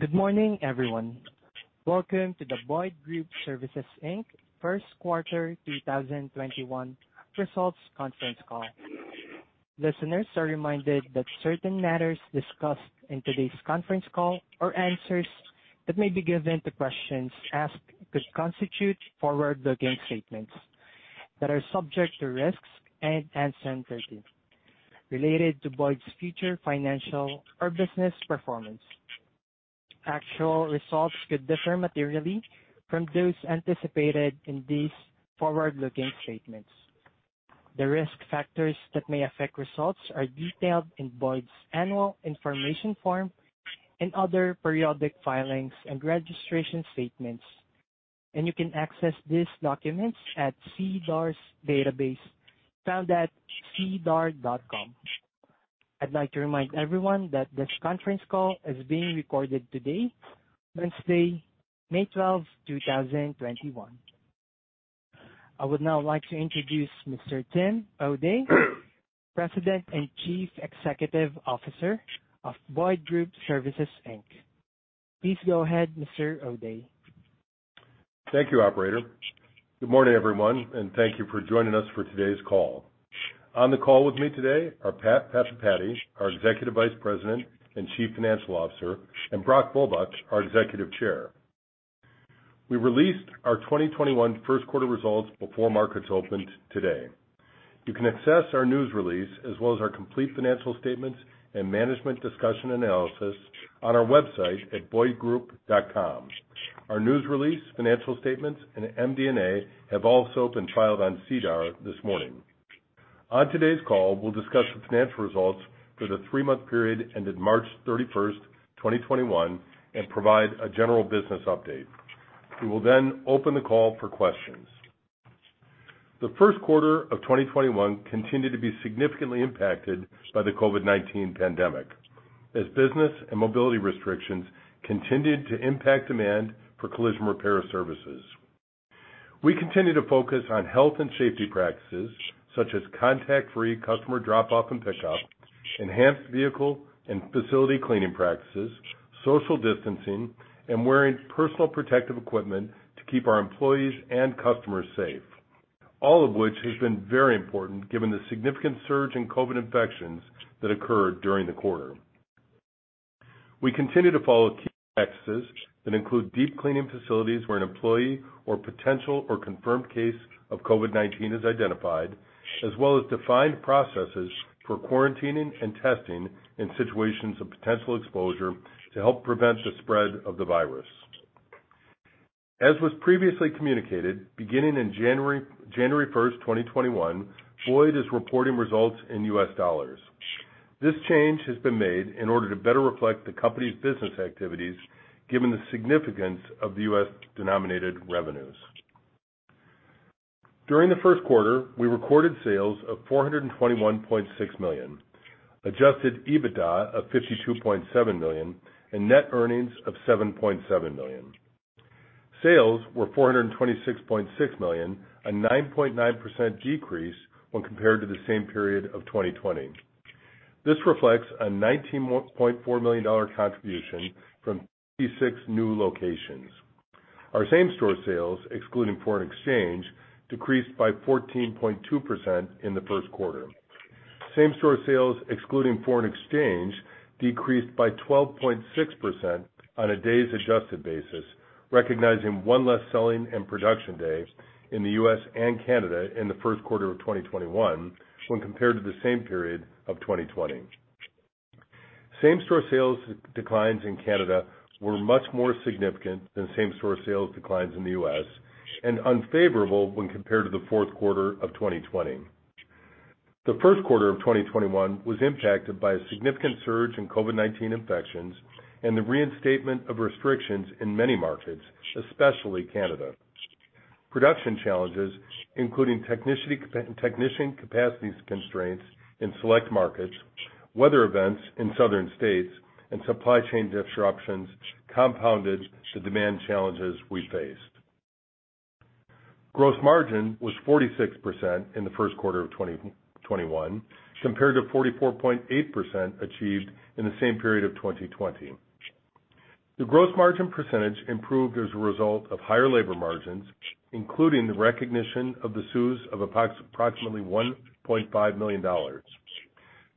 Good morning, everyone. Welcome to the Boyd Group Services Inc. first quarter 2021 results conference call. Listeners are reminded that certain matters discussed in today's conference call, or answers that may be given to questions asked, could constitute forward-looking statements that are subject to risks and uncertainty related to Boyd's future financial or business performance. Actual results could differ materially from those anticipated in these forward-looking statements. The risk factors that may affect results are detailed in Boyd's annual information form and other periodic filings and registration statements. You can access these documents at SEDAR's database, found at sedar.com. I'd like to remind everyone that this conference call is being recorded today, Wednesday, May 12, 2021. I would now like to introduce Mr. Tim O'Day, President and Chief Executive Officer of Boyd Group Services Inc. Please go ahead, Mr. O'Day. Thank you, operator. Good morning, everyone. Thank you for joining us for today's call. On the call with me today are Pat Pathipati, our Executive Vice President and Chief Financial Officer, and Brock Bulbuck, our Executive Chair. We released our 2021 first quarter results before markets opened today. You can access our news release, as well as our complete financial statements and MD&A on our website at boydgroup.com. Our news release, financial statements, and MD&A have also been filed on SEDAR this morning. On today's call, we'll discuss the financial results for the three-month period ended March 31st, 2021, and provide a general business update. We will open the call for questions. The first quarter of 2021 continued to be significantly impacted by the COVID-19 pandemic as business and mobility restrictions continued to impact demand for collision repair services. We continue to focus on health and safety practices such as contact-free customer drop-off and pick-up, enhanced vehicle and facility cleaning practices, social distancing, and wearing personal protective equipment to keep our employees and customers safe. All of which has been very important given the significant surge in COVID infections that occurred during the quarter. We continue to follow key practices that include deep cleaning facilities where an employee or potential or confirmed case of COVID-19 is identified, as well as defined processes for quarantining and testing in situations of potential exposure to help prevent the spread of the virus. As was previously communicated, beginning in January 1st, 2021, Boyd is reporting results in US dollars. This change has been made in order to better reflect the company's business activities given the significance of the US-denominated revenues. During the first quarter, we recorded sales of $421.6 million, Adjusted EBITDA of $52.7 million, and net earnings of $7.7 million. Sales were $426.6 million, a 9.9% decrease when compared to the same period of 2020. This reflects a $19.4 million contribution from 36 new locations. Our same-store sales, excluding foreign exchange, decreased by 14.2% in the first quarter. Same-store sales, excluding foreign exchange, decreased by 12.6% on a days-adjusted basis, recognizing one less selling and production days in the U.S. and Canada in the first quarter of 2021 when compared to the same period of 2020. Same-store sales declines in Canada were much more significant than same-store sales declines in the U.S. and unfavorable when compared to the fourth quarter of 2020. The first quarter of 2021 was impacted by a significant surge in COVID-19 infections and the reinstatement of restrictions in many markets, especially Canada. Production challenges, including technician capacity constraints in select markets, weather events in southern states, and supply chain disruptions compounded the demand challenges we faced. Gross margin was 46% in the first quarter of 2021, compared to 44.8% achieved in the same period of 2020. The gross margin percentage improved as a result of higher labor margins, including the recognition of the CEWS of approximately $1.5 million.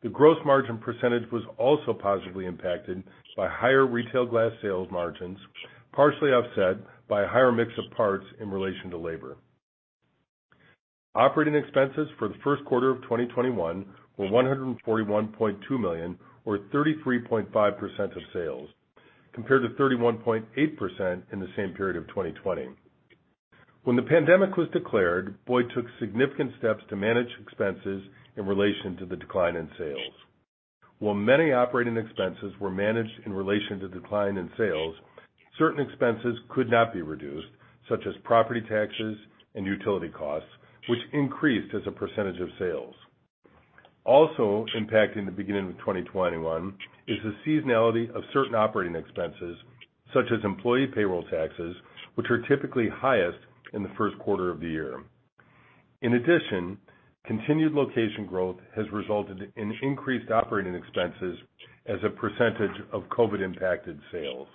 The gross margin percentage was also positively impacted by higher retail glass sales margins, partially offset by a higher mix of parts in relation to labor. Operating expenses for the first quarter of 2021 were $141.2 million or 33.5% of sales, compared to 31.8% in the same period of 2020. When the pandemic was declared, Boyd took significant steps to manage expenses in relation to the decline in sales. While many operating expenses were managed in relation to decline in sales, certain expenses could not be reduced, such as property taxes and utility costs, which increased as a percentage of sales. Also impacting the beginning of 2021 is the seasonality of certain operating expenses, such as employee payroll taxes, which are typically highest in the first quarter of the year. In addition, continued location growth has resulted in increased operating expenses as a percentage of COVID-19-impacted sales.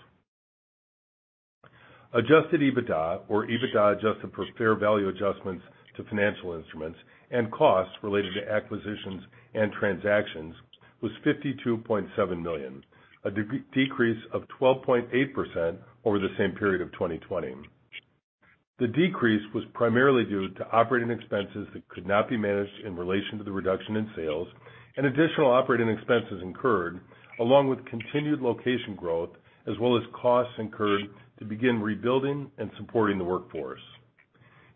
Adjusted EBITDA, or EBITDA adjusted for fair value adjustments to financial instruments and costs related to acquisitions and transactions, was $52.7 million, a decrease of 12.8% over the same period of 2020. The decrease was primarily due to operating expenses that could not be managed in relation to the reduction in sales and additional operating expenses incurred, along with continued location growth, as well as costs incurred to begin rebuilding and supporting the workforce.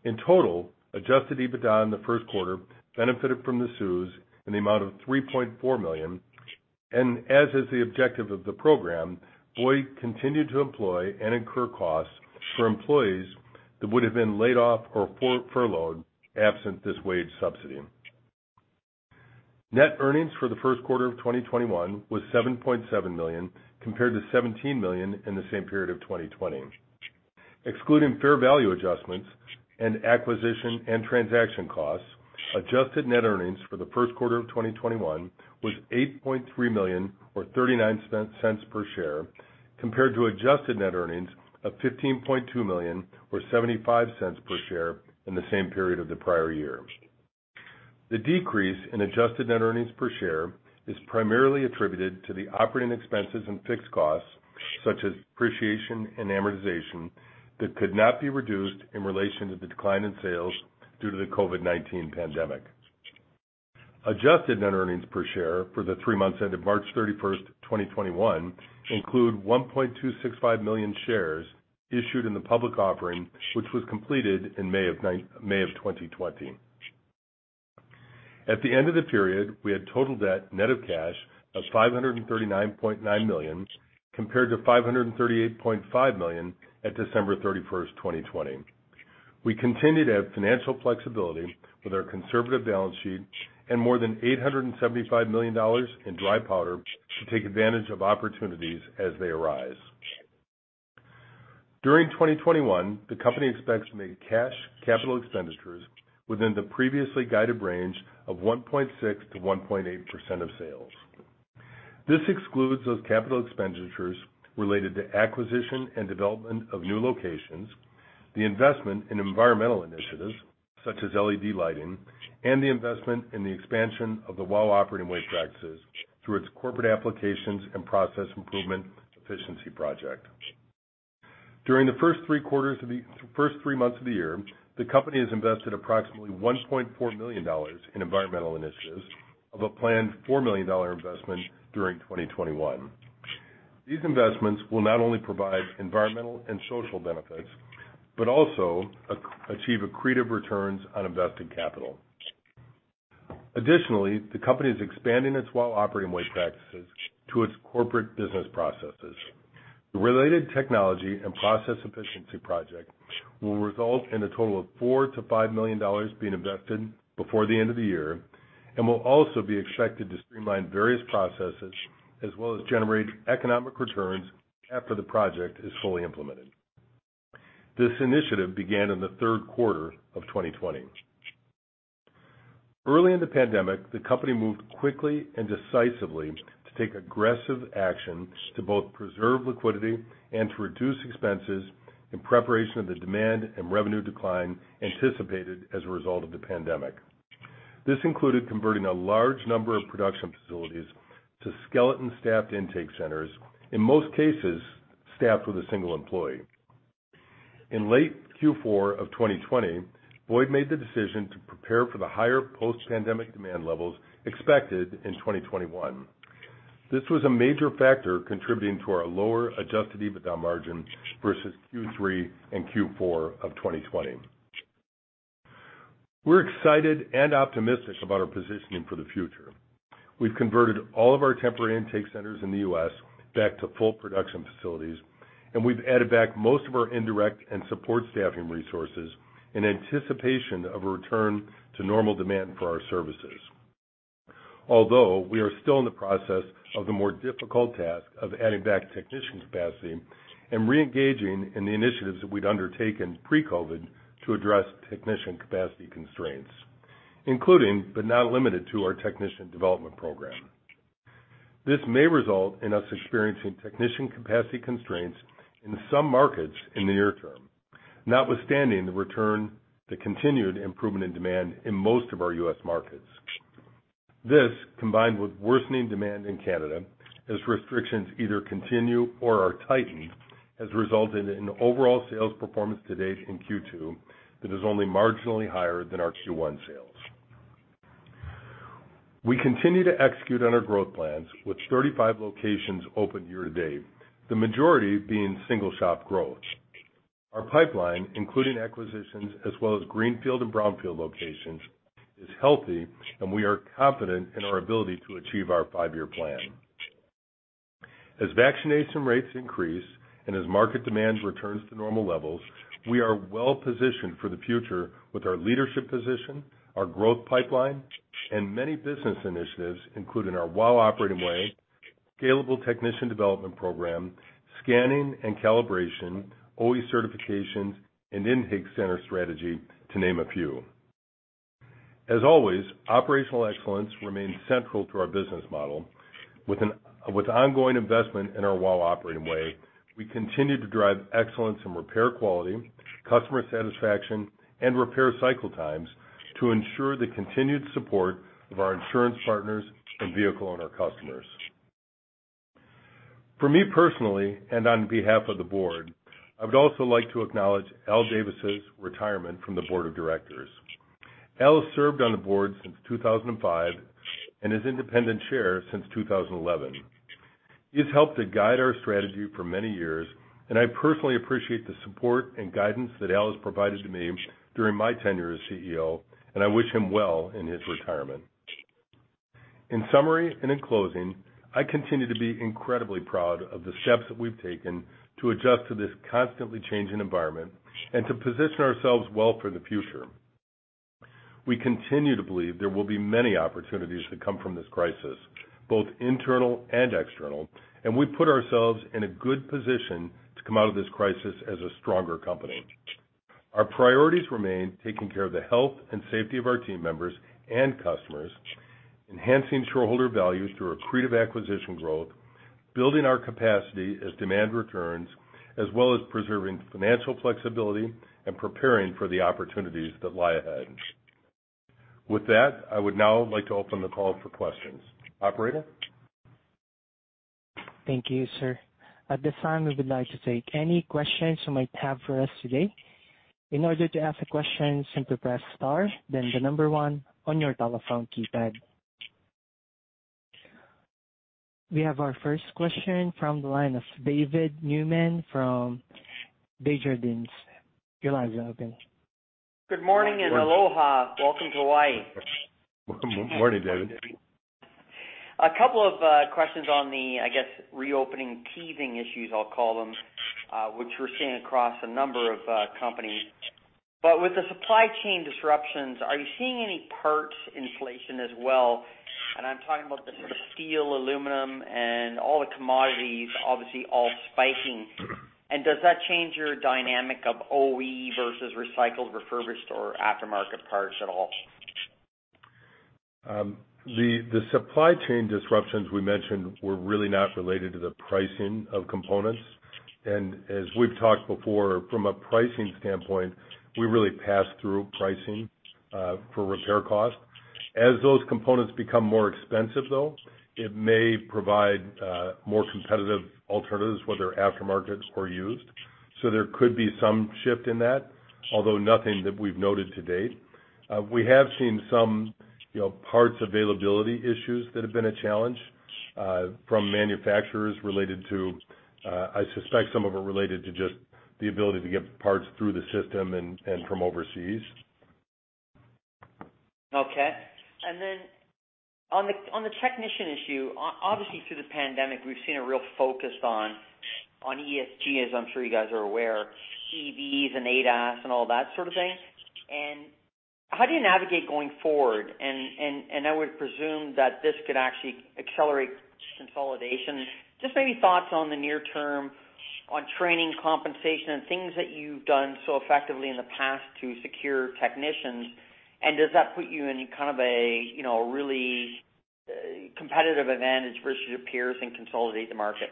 In total, Adjusted EBITDA in the first quarter benefited from the CEWS in the amount of$3.4 million, and as is the objective of the program, Boyd continued to employ and incur costs for employees that would have been laid off or furloughed absent this wage subsidy. Net earnings for the first quarter of 2021 was $7.7 million, compared to $17 million in the same period of 2020. Excluding fair value adjustments and acquisition and transaction costs, adjusted net earnings for the first quarter of 2021 was $8.3 million, or $0.39 per share, compared to adjusted net earnings of $15.2 million, or $0.75 per share in the same period of the prior year. The decrease in adjusted net earnings per share is primarily attributed to the operating expenses and fixed costs, such as depreciation and amortization, that could not be reduced in relation to the decline in sales due to the COVID-19 pandemic. Adjusted net earnings per share for the three months ended March 31st, 2021, include 1.265 million shares issued in the public offering, which was completed in May of 2020. At the end of the period, we had total debt net of cash of $539.9 million, compared to $538.5 million at December 31st, 2020. We continue to have financial flexibility with our conservative balance sheet and more than $875 million in dry powder to take advantage of opportunities as they arise. During 2021, the company expects to make cash capital expenditures within the previously guided range of 1.6%-1.8% of sales. This excludes those capital expenditures related to acquisition and development of new locations, the investment in environmental initiatives such as LED lighting, and the investment in the expansion of the WOW Operating Way practices through its corporate applications and process improvement efficiency project. During the first three months of the year, the company has invested approximately $1.4 million in environmental initiatives of a planned $4 million investment during 2021. These investments will not only provide environmental and social benefits, but also achieve accretive returns on invested capital. Additionally, the company is expanding its WOW Operating Way practices to its corporate business processes. The related technology and process efficiency project will result in a total of $4 million-$5 million being invested before the end of the year and will also be expected to streamline various processes as well as generate economic returns after the project is fully implemented. This initiative began in the third quarter of 2020. Early in the pandemic, the company moved quickly and decisively to take aggressive action to both preserve liquidity and to reduce expenses in preparation of the demand and revenue decline anticipated as a result of the pandemic. This included converting a large number of production facilities to skeleton staffed intake centers, in most cases, staffed with a single employee. In late Q4 of 2020, Boyd made the decision to prepare for the higher post-pandemic demand levels expected in 2021. This was a major factor contributing to our lower Adjusted EBITDA margin versus Q3 and Q4 of 2020. We're excited and optimistic about our positioning for the future. We've converted all of our temporary intake centers in the U.S. back to full production facilities, and we've added back most of our indirect and support staffing resources in anticipation of a return to normal demand for our services. We are still in the process of the more difficult task of adding back technician capacity and re-engaging in the initiatives that we'd undertaken pre-COVID to address technician capacity constraints, including, but not limited to, our technician development program. This may result in us experiencing technician capacity constraints in some markets in the near term, notwithstanding the continued improvement in demand in most of our U.S. markets. This, combined with worsening demand in Canada as restrictions either continue or are tightened, has resulted in overall sales performance to date in Q2 that is only marginally higher than our Q1 sales. We continue to execute on our growth plans with 35 locations open year to date, the majority being single shop growth. Our pipeline, including acquisitions as well as greenfield and brownfield locations, is healthy and we are confident in our ability to achieve our five-year plan. As vaccination rates increase and as market demand returns to normal levels, we are well positioned for the future with our leadership position, our growth pipeline, and many business initiatives, including our WOW Operating Way, scalable technician development program, scanning and calibration, OE certifications, and intake center strategy, to name a few. As always, operational excellence remains central to our business model. With ongoing investment in our WOW Operating Way, we continue to drive excellence in repair quality, customer satisfaction, and repair cycle times to ensure the continued support of our insurance partners and vehicle owner customers. For me personally, and on behalf of the Board, I would also like to acknowledge Allan Davis's retirement from the Board of Directors. Allan has served on the Board since 2005 and as Independent Chair since 2011. He has helped to guide our strategy for many years, and I personally appreciate the support and guidance that Allan has provided to me during my tenure as Chief Executive Officer, and I wish him well in his retirement. In summary and in closing, I continue to be incredibly proud of the steps that we've taken to adjust to this constantly changing environment and to position ourselves well for the future. We continue to believe there will be many opportunities that come from this crisis, both internal and external, and we've put ourselves in a good position to come out of this crisis as a stronger company. Our priorities remain taking care of the health and safety of our team members and customers, enhancing shareholder values through accretive acquisition growth, building our capacity as demand returns, as well as preserving financial flexibility and preparing for the opportunities that lie ahead. With that, I would now like to open the call for questions. Operator? Thank you, sir. At this time, we would like to take any questions you might have for us today. In order to ask a question, simply press star then the number one on your telephone keypad. We have our first question from the line of Daryl Young from TD Securities. Your line is open. Good morning and aloha. Welcome to Hawaii. Good morning, Daryl Young. A couple of questions on the, I guess, reopening teething issues I'll call them, which we're seeing across a number of companies. With the supply chain disruptions, are you seeing any parts inflation as well? I'm talking about the sort of steel, aluminum, and all the commodities, obviously all spiking. Does that change your dynamic of OE versus recycled, refurbished, or aftermarket parts at all? The supply chain disruptions we mentioned were really not related to the pricing of components. As we've talked before, from a pricing standpoint, we really pass through pricing for repair costs. As those components become more expensive, though, it may provide more competitive alternatives, whether aftermarket or used. There could be some shift in that, although nothing that we've noted to date. We have seen some parts availability issues that have been a challenge from manufacturers. I suspect some of them are related to just the ability to get parts through the system and from overseas. Okay. Then on the technician issue, obviously through the pandemic, we've seen a real focus on ESG, as I'm sure you guys are aware, EVs and ADAS and all that sort of thing. How do you navigate going forward? I would presume that this could actually accelerate consolidation. Maybe thoughts on the near term on training, compensation, and things that you've done so effectively in the past to secure technicians. Does that put you in a really competitive advantage versus your peers and consolidate the market?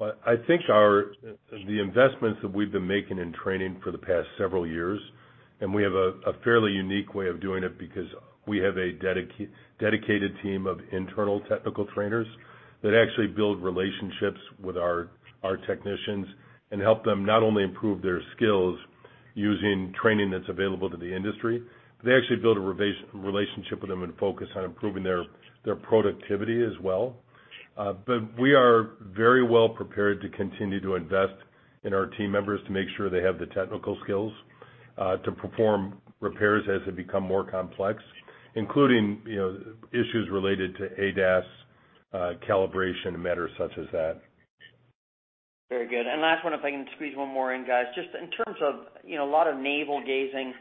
I think the investments that we've been making in training for the past several years, and we have a fairly unique way of doing it because we have a dedicated team of internal technical trainers that actually build relationships with our technicians and help them not only improve their skills using training that's available to the industry, but they actually build a relationship with them and focus on improving their productivity as well. We are very well prepared to continue to invest in our team members to make sure they have the technical skills to perform repairs as they become more complex, including issues related to ADAS calibration and matters such as that. Very good. Last one, if I can squeeze one more in, guys. Just in terms of a lot of navel-gazing,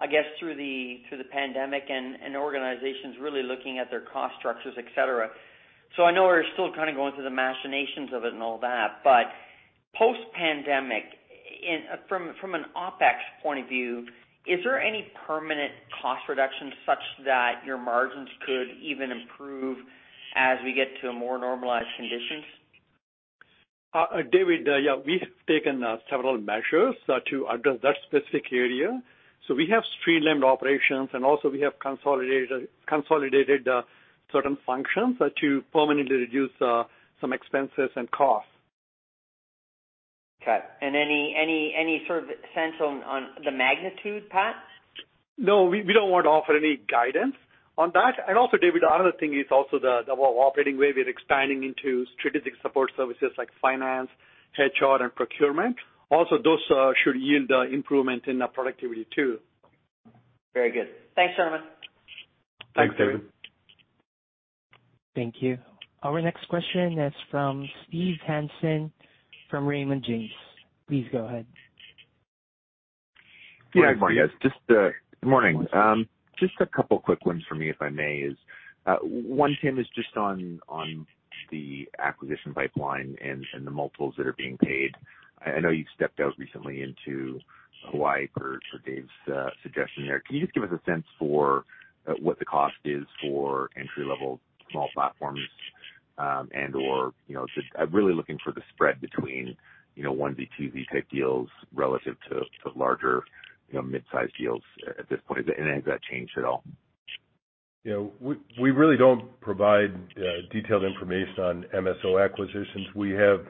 I guess, through the pandemic and organizations really looking at their cost structures, et cetera. I know we're still kind of going through the machinations of it and all that, but post-pandemic, from an OpEx point of view, is there any permanent cost reductions such that your margins could even improve as we get to more normalized conditions? Daryl, yeah. We've taken several measures to address that specific area. We have streamlined operations, and also we have consolidated certain functions to permanently reduce some expenses and costs. Okay. Any sort of sense on the magnitude, Pat? No, we don't want to offer any guidance on that. Also, Daryl, another thing is also the WOW Operating Way. We're expanding into strategic support services like finance, HR, and procurement. Also, those should yield improvement in productivity too. Very good. Thanks so much. Thanks, Daryl. Thank you. Our next question is from Steve Hansen from Raymond James. Please go ahead. Yeah, good morning, guys. Just a couple quick ones for me, if I may. One, Tim, is just on the acquisition pipeline and the multiples that are being paid. I know you've stepped out recently into Hawaii for Daryl's suggestion there. Can you just give us a sense for what the cost is for entry-level small platforms and/or just really looking for the spread between, one to two of these type deals relative to larger mid-size deals at this point. Has that changed at all? We really don't provide detailed information on MSO acquisitions. We have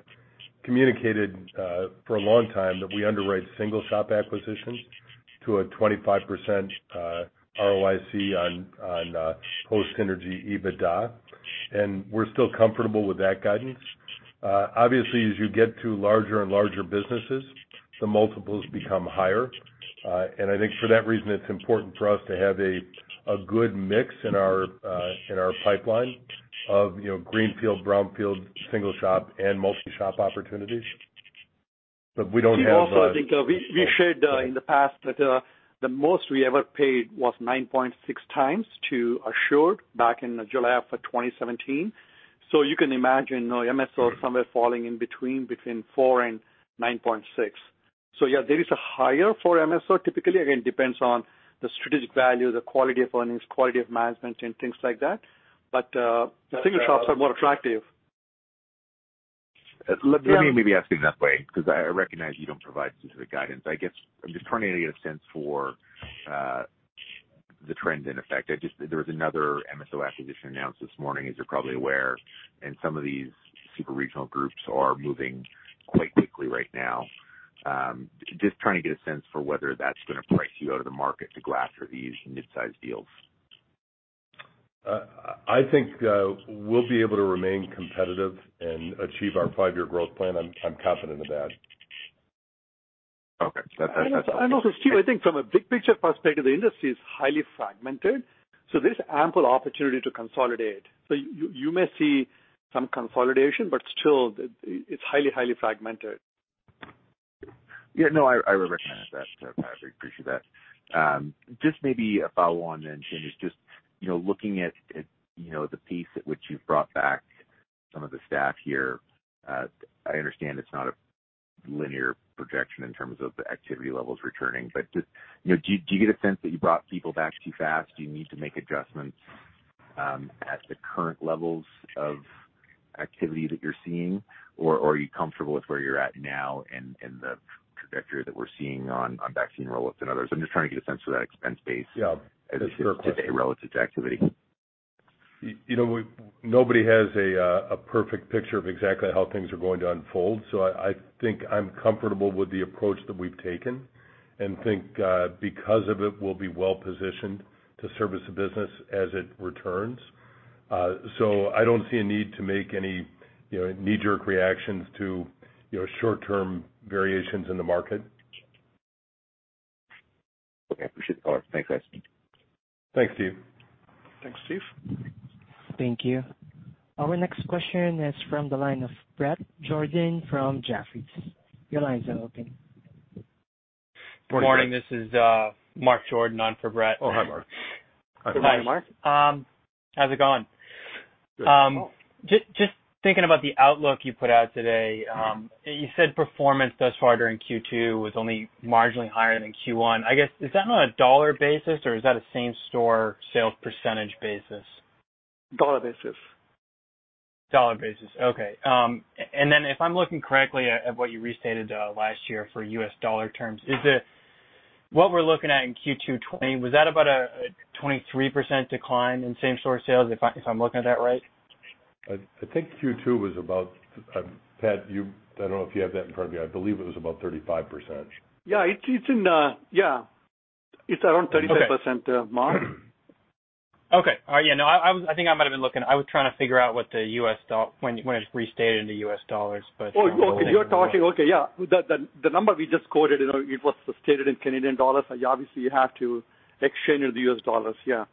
communicated for a long time that we underwrite single shop acquisitions to a 25% ROIC on post-synergy EBITDA, and we're still comfortable with that guidance. Obviously, as you get to larger and larger businesses, the multiples become higher. I think for that reason, it's important for us to have a good mix in our pipeline of greenfield, brownfield, single shop and multi-shop opportunities. We don't have- We also think we shared in the past that the most we ever paid was 9.6x to Assured back in July of 2017. You can imagine MSO somewhere falling in between 4x-9.6x. Yeah, there is a higher for MSO. Typically, again, depends on the strategic value, the quality of earnings, quality of management and things like that. The single shops are more attractive. Let me maybe ask it another way, because I recognize you don't provide specific guidance. I guess I'm just trying to get a sense for the trends in effect. There was another MSO acquisition announced this morning, as you're probably aware. Some of these super regional groups are moving quite quickly right now. Just trying to get a sense for whether that's going to price you out of the market to go after these mid-size deals. I think we'll be able to remain competitive and achieve our five-year growth plan. I'm confident of that. Okay. That's helpful. Also, Steve, I think from a big picture perspective, the industry is highly fragmented, so there's ample opportunity to consolidate. You may see some consolidation, but still, it's highly fragmented. Yeah. No, I recognize that, Pat. I appreciate that. Just maybe a follow on then, Tim, is just looking at the pace at which you've brought back some of the staff here. I understand it's not a linear projection in terms of the activity levels returning, but just do you get a sense that you brought people back too fast? Do you need to make adjustments at the current levels of activity that you're seeing, or are you comfortable with where you're at now and the trajectory that we're seeing on vaccine roll-outs and others? I'm just trying to get a sense for that expense base. Yeah. That's a fair question. today relative to activity. Nobody has a perfect picture of exactly how things are going to unfold. I think I'm comfortable with the approach that we've taken and think because of it, we'll be well positioned to service the business as it returns. I don't see a need to make any knee-jerk reactions to short-term variations in the market. Okay. I appreciate it. All right. Thanks, guys. Thanks, Steve. Thanks, Steve. Thank you. Our next question is from the line of Bret Jordan from Jefferies. Your line is now open. Morning, Bret. Morning. This is Mark Jordan on for Bret Jordan. Oh, hi, Mark. Good morning, Mark. How's it going? Good. Well. Just thinking about the outlook you put out today. You said performance thus far during Q2 was only marginally higher than in Q1. I guess, is that on a dollar basis or is that a same-store sales percentage basis? Dollar basis. Dollar basis. Okay. If I'm looking correctly at what you restated last year for U.S. dollar terms, is it what we're looking at in Q2 2020, was that about a 23% decline in same-store sales, if I'm looking at that right? I think Q2 was about Pat, I don't know if you have that in front of you. I believe it was about 35%. Yeah, it's around 35%. Okay Mark. Okay. Yeah. No, I think I might have been looking. I was trying to figure out when it restated into U.S. dollars. Oh, okay. Okay, yeah. The number we just quoted, it was stated in Canadian dollars. Obviously, you have to exchange it to US dollars. Yeah.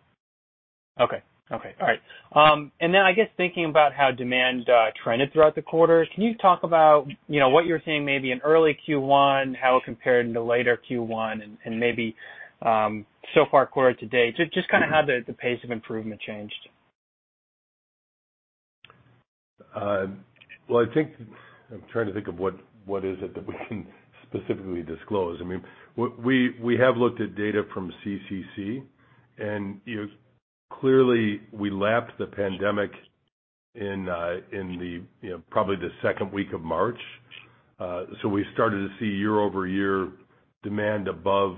Okay. All right. I guess thinking about how demand trended throughout the quarter, can you talk about what you were seeing maybe in early Q1, how it compared into later Q1, and maybe so far quarter to date, just how the pace of improvement changed? Well, I'm trying to think of what is it that we can specifically disclose. We have looked at data from CCC, clearly we lapped the pandemic in probably the second week of March. We started to see YoY demand above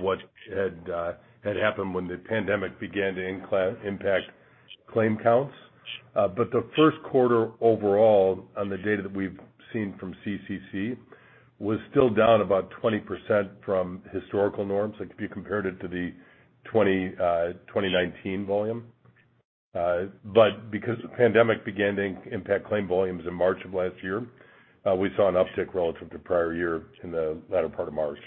what had happened when the pandemic began to impact claim counts. The first quarter overall, on the data that we've seen from CCC, was still down about 20% from historical norms, like if you compared it to the 2019 volume. Because the pandemic began to impact claim volumes in March of last year, we saw an uptick relative to prior year in the latter part of March.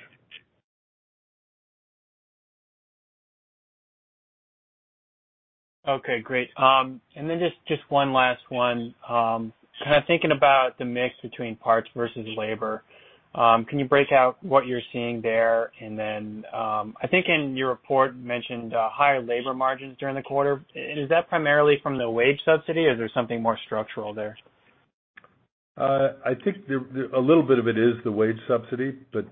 Okay, great. Just one last one. Thinking about the mix between parts versus labor, can you break out what you're seeing there? I think in your report, you mentioned higher labor margins during the quarter. Is that primarily from the wage subsidy, or is there something more structural there? I think a little bit of it is the wage subsidy, but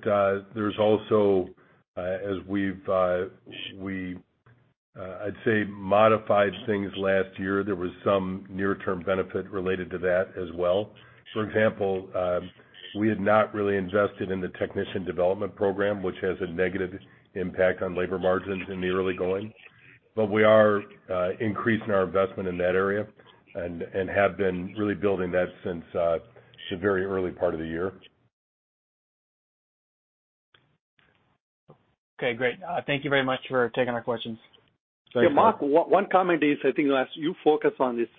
there's also, as we've, I'd say, modified things last year. There was some near-term benefit related to that as well. For example, we had not really invested in the technician development program, which has a negative impact on labor margins in the early going. We are increasing our investment in that area and have been really building that since the very early part of the year. Okay, great. Thank you very much for taking our questions. Thanks, Mark. Yeah, Mark, one comment is, I think as you focus on this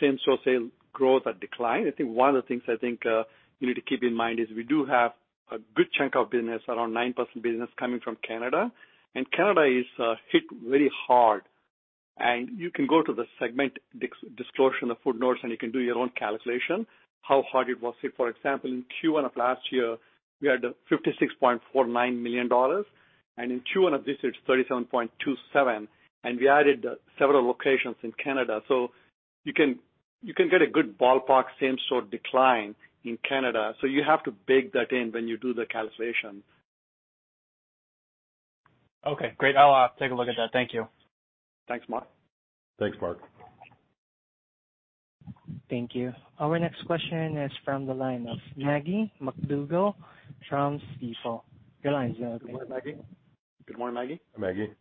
same-store sales growth or decline, I think one of the things I think you need to keep in mind is we do have a good chunk of business, around 9% business, coming from Canada, and Canada is hit very hard. You can go to the segment disclosure in the footnotes, and you can do your own calculation how hard it was hit. For example, in Q1 of last year, we had $56.49 million, and in Q1 of this year, it's $37.27, and we added several locations in Canada. You can get a good ballpark same-store decline in Canada. You have to bake that in when you do the calculation. Okay, great. I'll take a look at that. Thank you. Thanks, Mark. Thanks, Mark. Thank you. Our next question is from the line of Maggie MacDougall from Stifel. Your line's open. Good morning, Maggie. Hi, Maggie.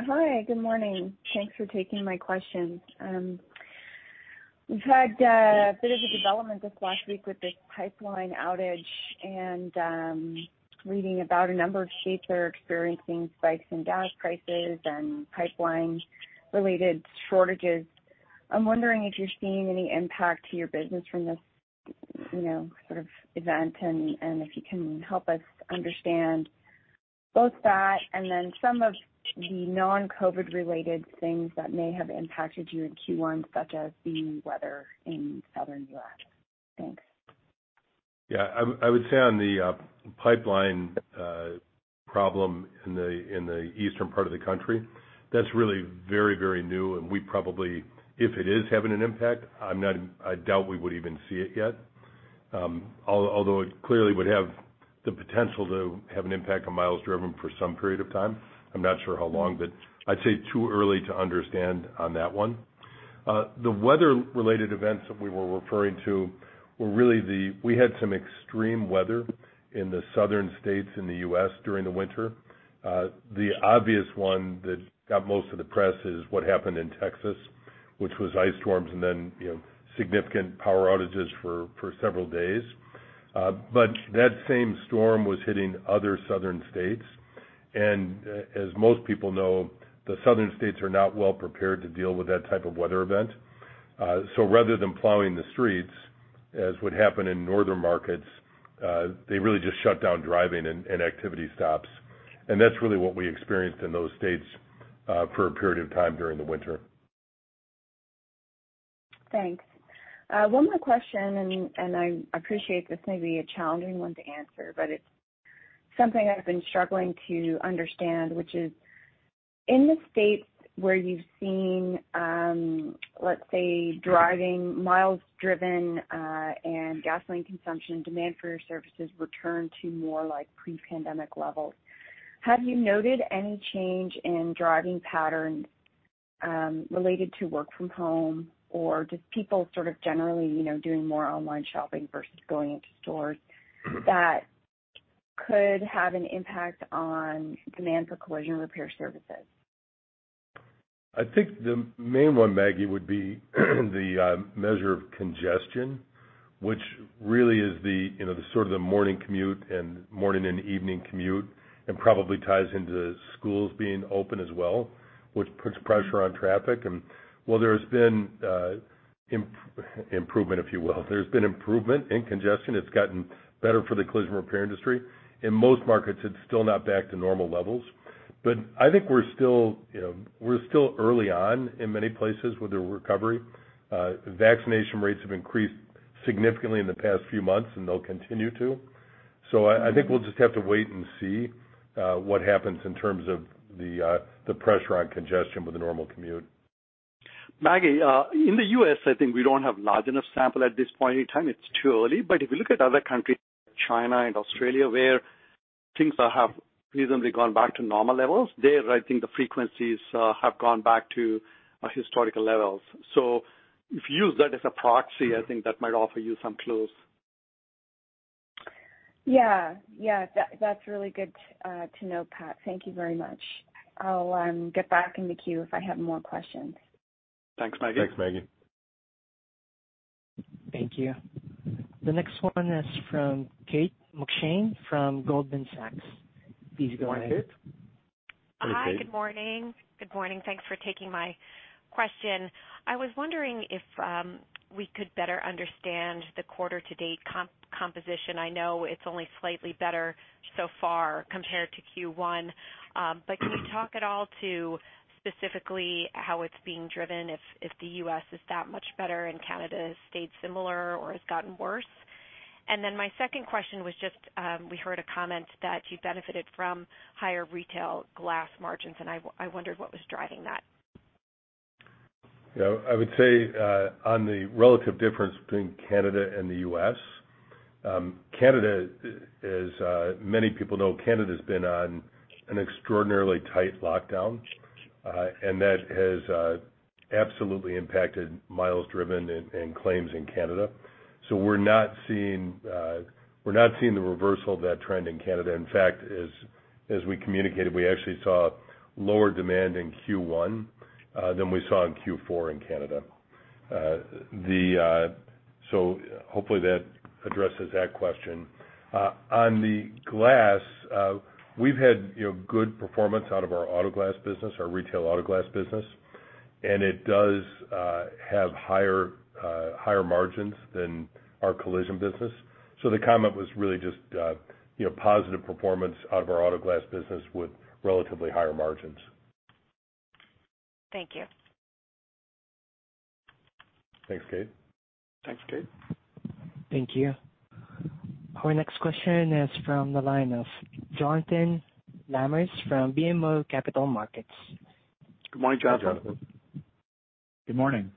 Hi. Good morning. Thanks for taking my questions. We've had a bit of a development this last week with this pipeline outage, and I'm reading about a number of states that are experiencing spikes in gas prices and pipeline-related shortages. I'm wondering if you're seeing any impact to your business from this sort of event, and if you can help us understand both that and then some of the non-COVID-19 related things that may have impacted you in Q1, such as the weather in southern U.S. Thanks. Yeah. I would say on the pipeline problem in the eastern part of the country, that's really very new, and we probably, if it is having an impact, I doubt we would even see it yet. Although it clearly would have the potential to have an impact on miles driven for some period of time. I'm not sure how long, but I'd say too early to understand on that one. The weather-related events that we were referring to were really We had some extreme weather in the southern states in the U.S. during the winter. The obvious one that got most of the press is what happened in Texas, which was ice storms and then significant power outages for several days. That same storm was hitting other southern states, and as most people know, the southern states are not well prepared to deal with that type of weather event. Rather than plowing the streets, as would happen in northern markets, they really just shut down driving and activity stops. That's really what we experienced in those states for a period of time during the winter. Thanks. One more question. I appreciate this may be a challenging one to answer, but it's something I've been struggling to understand, which is, in the states where you've seen, let's say, driving miles driven and gasoline consumption demand for your services return to more pre-pandemic levels, have you noted any change in driving patterns related to work from home, or just people sort of generally doing more online shopping versus going into stores that could have an impact on demand for collision repair services? I think the main one, Maggie, would be the measure of congestion, which really is the sort of the morning commute and morning and evening commute, and probably ties into schools being open as well, which puts pressure on traffic. While there's been improvement, if you will, there's been improvement in congestion. It's gotten better for the collision repair industry. In most markets, it's still not back to normal levels. I think we're still early on in many places with the recovery. Vaccination rates have increased significantly in the past few months, and they'll continue to. I think we'll just have to wait and see what happens in terms of the pressure on congestion with the normal commute. Maggie, in the U.S., I think we don't have large enough sample at this point in time. It's too early. If you look at other countries like China and Australia, where things have reasonably gone back to normal levels, there, I think the frequencies have gone back to historical levels. If you use that as a proxy, I think that might offer you some clues. Yeah. That's really good to know, Pat. Thank you very much. I'll get back in the queue if I have more questions. Thanks, Maggie. Thanks, Maggie. Thank you. The next one is from Kate McShane from Goldman Sachs. Please go ahead. Hi, good morning. Good morning. Thanks for taking my question. I was wondering if we could better understand the quarter-to-date composition. I know it's only slightly better so far compared to Q1. Can you talk at all to specifically how it's being driven, if the U.S. is that much better and Canada has stayed similar or has gotten worse? My second question was just, we heard a comment that you benefited from higher retail glass margins, and I wondered what was driving that. I would say on the relative difference between Canada and the U.S., many people know Canada's been on an extraordinarily tight lockdown. That has absolutely impacted miles driven and claims in Canada. We're not seeing the reversal of that trend in Canada. In fact, as we communicated, we actually saw lower demand in Q1 than we saw in Q4 in Canada. Hopefully that addresses that question. On the glass, we've had good performance out of our retail auto glass business, and it does have higher margins than our collision business. The comment was really just positive performance out of our auto glass business with relatively higher margins. Thank you. Thanks, Kate. Thanks, Kate. Thank you. Our next question is from the line of Jonathan Lamers from BMO Capital Markets. Good morning, Jonathan. Hi, Jonathan. Good morning.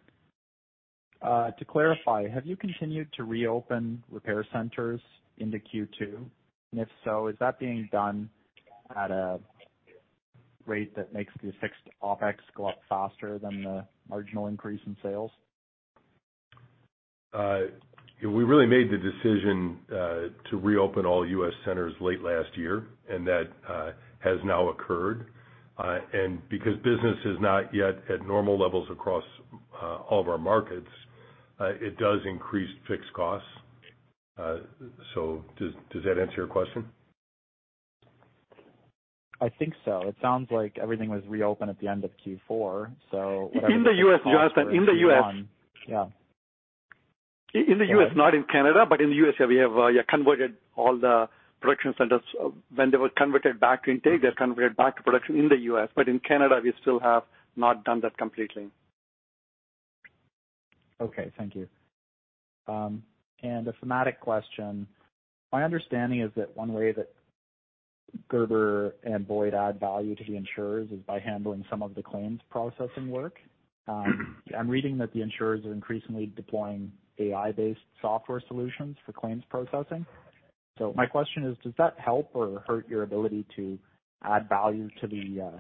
To clarify, have you continued to reopen repair centers into Q2? If so, is that being done at a rate that makes the fixed OpEx go up faster than the marginal increase in sales? We really made the decision to reopen all U.S. centers late last year, and that has now occurred. Because business is not yet at normal levels across all of our markets, it does increase fixed costs. Does that answer your question? I think so. It sounds like everything was reopened at the end of Q4. In the U.S., Jonathan. In the U.S. Yeah. In the U.S., not in Canada, but in the U.S., we have converted all the production centers. When they were converted back to intake, they are converted back to production in the U.S., but in Canada we still have not done that completely. Okay, thank you. A thematic question. My understanding is that one way that Gerber and Boyd add value to the insurers is by handling some of the claims processing work. I'm reading that the insurers are increasingly deploying AI-based software solutions for claims processing. My question is, does that help or hurt your ability to add value to the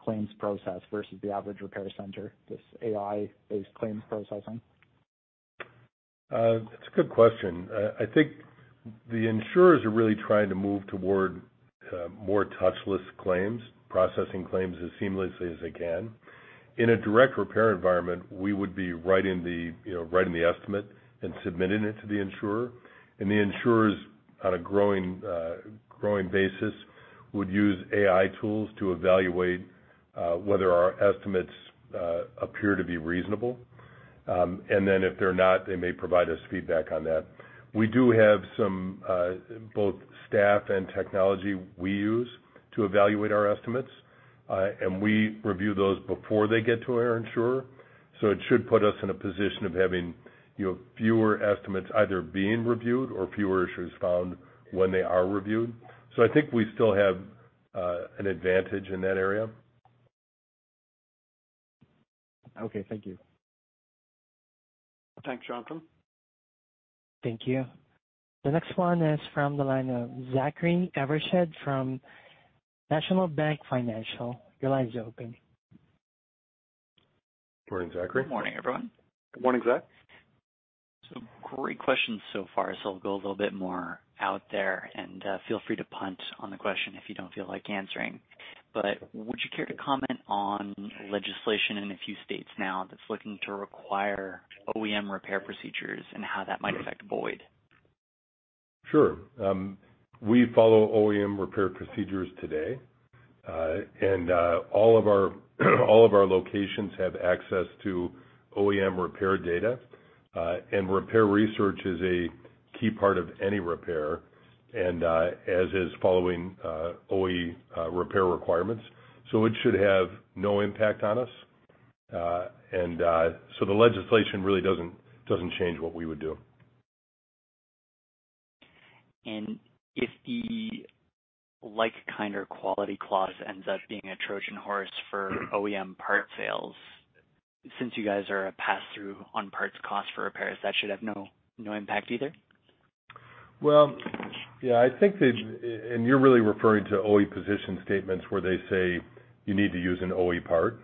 claims process versus the average repair center, this AI-based claims processing? That's a good question. I think the insurers are really trying to move toward more touchless claims, processing claims as seamlessly as they can. In a direct repair environment, we would be writing the estimate and submitting it to the insurer. The insurers, on a growing basis, would use AI tools to evaluate whether our estimates appear to be reasonable. Then if they're not, they may provide us feedback on that. We do have some both staff and technology we use to evaluate our estimates. We review those before they get to our insurer. It should put us in a position of having fewer estimates either being reviewed or fewer issues found when they are reviewed. I think we still have an advantage in that area. Okay, thank you. Thanks, Jonathan. Thank you. The next one is from the line of Zachary Evershed from National Bank Financial. Your line is open. Morning, Zachary. Good morning, everyone. Good morning, Zach. Great questions so far, so I'll go a little bit more out there, and feel free to punt on the question if you don't feel like answering. Would you care to comment on legislation in a few states now that's looking to require OEM repair procedures and how that might affect Boyd? Sure. We follow OEM repair procedures today. All of our locations have access to OEM repair data. Repair research is a key part of any repair, and as is following OE repair requirements. It should have no impact on us. The legislation really doesn't change what we would do. If the like kind or quality clause ends up being a Trojan horse for OEM part sales, since you guys are a pass-through on parts cost for repairs, that should have no impact either? Well, yeah. You're really referring to OE position statements where they say you need to use an OE part.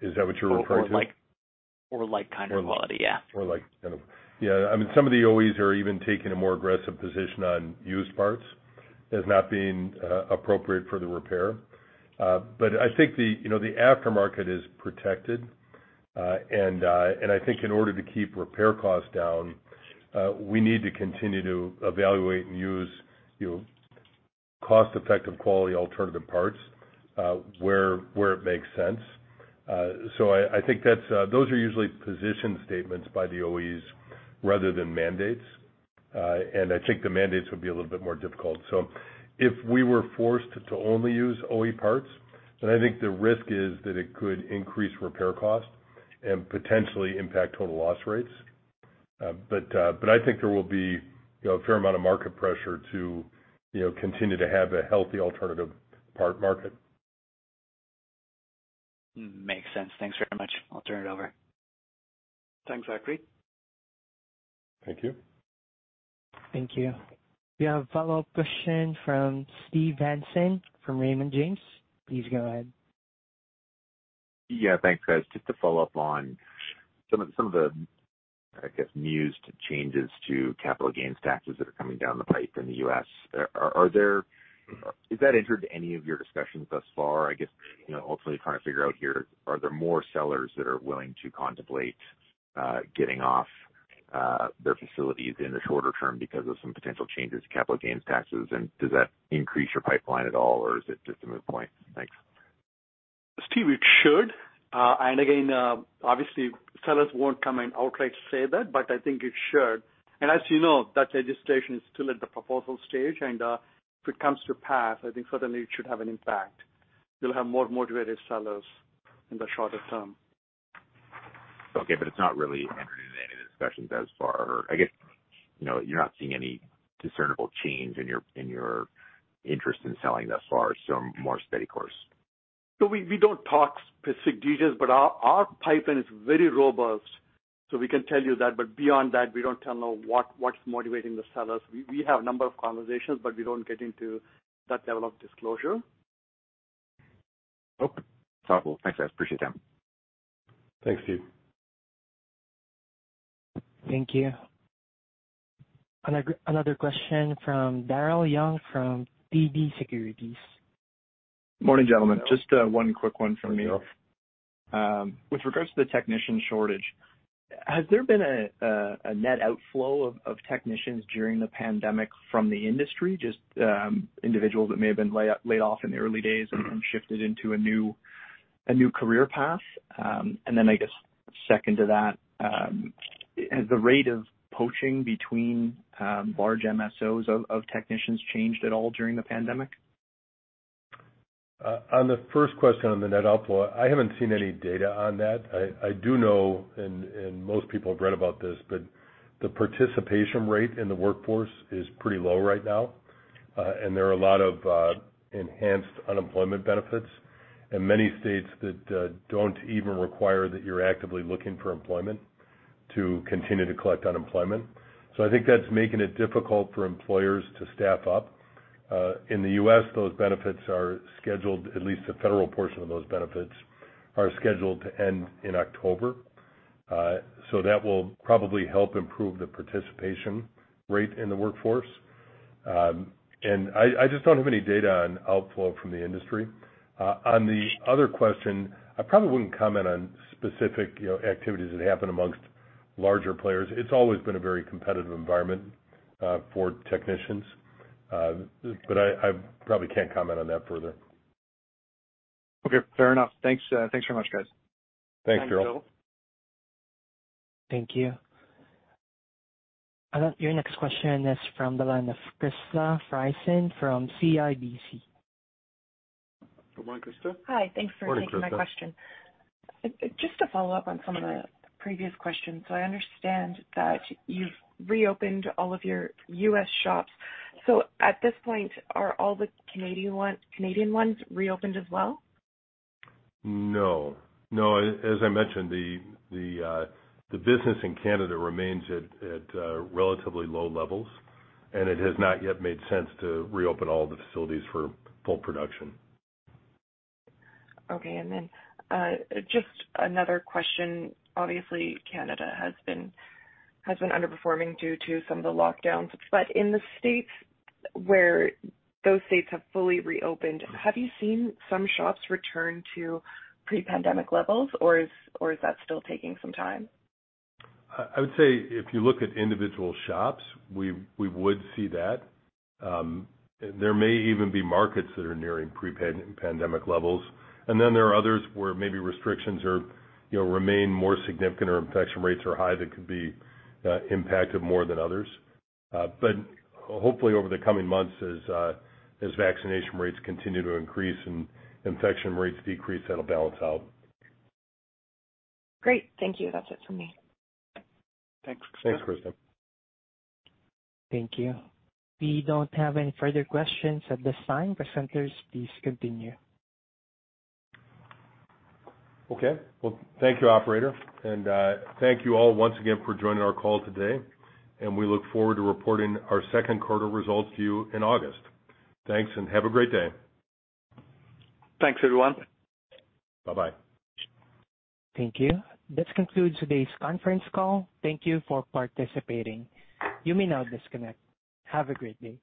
Is that what you're referring to? Like kind or quality, yeah. Some of the OEs are even taking a more aggressive position on used parts as not being appropriate for the repair. I think the aftermarket is protected. I think in order to keep repair costs down, we need to continue to evaluate and use cost-effective quality alternative parts where it makes sense. I think those are usually position statements by the OEs rather than mandates. I think the mandates would be a little bit more difficult. If we were forced to only use OE parts, then I think the risk is that it could increase repair costs and potentially impact total loss rates. I think there will be a fair amount of market pressure to continue to have a healthy alternative part market. Makes sense. Thanks very much. I'll turn it over. Thanks, Zachary. Thank you. Thank you. We have a follow-up question from Steve Hansen from Raymond James. Please go ahead. Yeah, thanks, guys. Just to follow-up on some of the, I guess, news to changes to capital gains taxes that are coming down the pipe in the U.S. Has that entered any of your discussions thus far? I guess, ultimately trying to figure out here, are there more sellers that are willing to contemplate getting off their facilities in the shorter term because of some potential changes to capital gains taxes? Does that increase your pipeline at all, or is it just a moot point? Thanks. Steve, it should. Again, obviously, sellers won't come and outright say that, but I think it should. As you know, that legislation is still at the proposal stage. If it comes to pass, I think certainly it should have an impact. You'll have more motivated sellers in the shorter term. It's not really entered into any of the discussions thus far. I guess, you're not seeing any discernible change in your interest in selling thus far. More steady course. We don't talk specific details, but our pipeline is very robust. We can tell you that, but beyond that, we don't tell what's motivating the sellers. We have a number of conversations, but we don't get into that level of disclosure. Okay. That's helpful. Thanks, guys. Appreciate the time. Thanks, Steve. Thank you. Another question from Daryl Young from TD Securities. Morning, gentlemen. Just one quick one from me. Hi, Daryl. With regards to the technician shortage, has there been a net outflow of technicians during the pandemic from the industry, just individuals that may have been laid off in the early days and shifted into a new career path? Then I guess second to that, has the rate of poaching between large MSOs of technicians changed at all during the pandemic? On the first question on the net outflow, I haven't seen any data on that. I do know, and most people have read about this, but the participation rate in the workforce is pretty low right now. There are a lot of enhanced unemployment benefits in many states that don't even require that you're actively looking for employment to continue to collect unemployment. I think that's making it difficult for employers to staff up. In the U.S., those benefits are scheduled, at least the federal portion of those benefits, are scheduled to end in October. That will probably help improve the participation rate in the workforce. I just don't have any data on outflow from the industry. On the other question, I probably wouldn't comment on specific activities that happen amongst larger players. It's always been a very competitive environment for technicians. I probably can't comment on that further. Okay, fair enough. Thanks very much, guys. Thanks, Daryl. Thank you. Your next question is from the line of Krista Friesen from CIBC. Good morning, Krista. Hi. Thanks for taking my question. Morning, Krista. Just to follow-up on some of the previous questions. I understand that you've reopened all of your U.S. shops. At this point, are all the Canadian ones reopened as well? No. As I mentioned, the business in Canada remains at relatively low levels, and it has not yet made sense to reopen all the facilities for full production. Okay. Just another question. Obviously, Canada has been underperforming due to some of the lockdowns. In the U.S. where those states have fully reopened, have you seen some shops return to pre-pandemic levels, or is that still taking some time? I would say if you look at individual shops, we would see that. There may even be markets that are nearing pre-pandemic levels. Then there are others where maybe restrictions remain more significant or infection rates are high that could be impacted more than others. Hopefully over the coming months as vaccination rates continue to increase and infection rates decrease, that'll balance out. Great. Thank you. That's it from me. Thanks, Krista. Thanks, Krista. Thank you. We don't have any further questions at this time. Presenters, please continue. Okay. Well, thank you, operator. Thank you all once again for joining our call today, and we look forward to reporting our second quarter results to you in August. Thanks, and have a great day. Thanks, everyone. Bye-bye. Thank you. This concludes today's conference call. Thank you for participating. You may now disconnect. Have a great day.